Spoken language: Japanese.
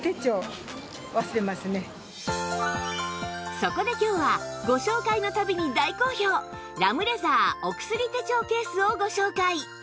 そこで今日はご紹介の度に大好評ラムレザーお薬手帳ケースをご紹介！